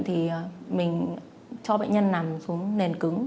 thì mình cho bệnh nhân nằm xuống nền cứng